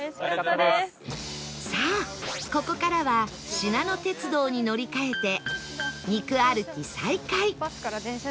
さあここからはしなの鉄道に乗り換えて肉歩き再開！